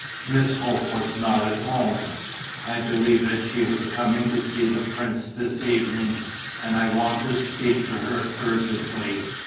Miss Hope was not at home; I believe that she was coming to see the prince this evening; and I want to speak to her urgently